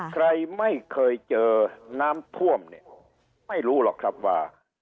ใครไม่เคยเจอน้ำท่วมเนี่ยไม่รู้หรอกครับว่า